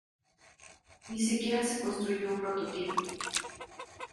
Ni siquiera se construyó un prototipo.